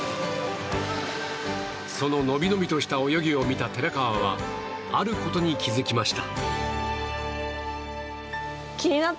その伸び伸びとした泳ぎを見た寺川はあることに気づきました。